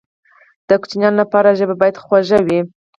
د ماشومانو لپاره ژبه باید خوږه وي.